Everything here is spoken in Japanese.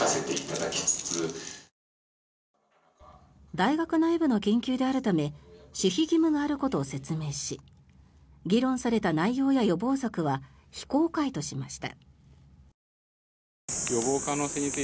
大学内部の研究であるため守秘義務があることを説明し議論された内容や予防策は非公開としました。